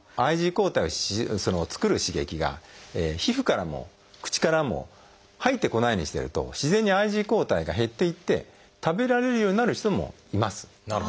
ＩｇＥ抗体を作る刺激が皮膚からも口からも入ってこないようにしてると自然にＩｇＥ抗体が減っていって食べられるようになる人もいます。